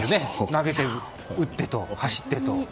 投げて、打って、走ってと。